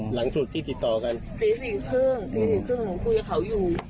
หลังสุดที่ติดต่อกันตีสี่ครึ่งตีหนึ่งครึ่งหนูคุยกับเขาอยู่